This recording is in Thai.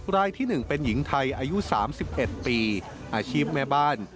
รายที่๑เป็นหญิงไทยอายุ๓๑ปีอาชีพแม่บ้าน